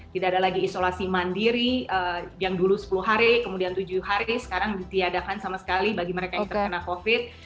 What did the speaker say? tidak ada lagi isolasi mandiri yang dulu sepuluh hari kemudian tujuh hari sekarang ditiadakan sama sekali bagi mereka yang terkena covid